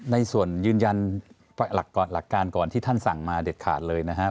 ในส่วนยืนยันหลักการก่อนที่ท่านสั่งมาเด็ดขาดเลยนะครับ